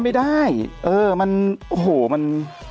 ไม่ได้เออมันโอ้โหมัน